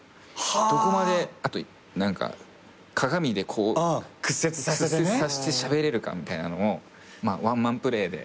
どこまで鏡で屈折させてしゃべれるかみたいなのをワンマンプレーで。